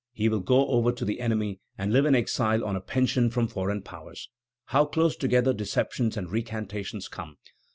He will go over to the enemy, and live in exile on a pension from foreign powers. How close together deceptions and recantations come!